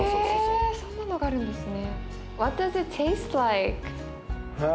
えそんなのがあるんですね。